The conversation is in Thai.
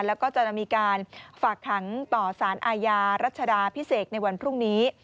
แล้วก็จะมีการฝากขังต่อสารอาญารัชดาพิเศษในวันพรุ่งนี้